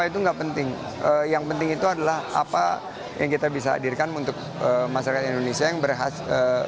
tentu tanggapannya bung hatta